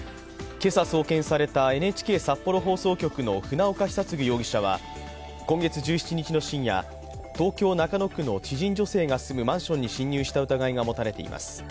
今朝送検されたＮＨＫ札幌放送局の船岡久嗣容疑者は今月１７日の深夜、東京・中野区の知人女性のマンションに侵入した疑いが持たれています。